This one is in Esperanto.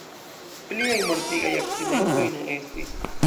Pliaj mortigaj akcidentoj ne estis.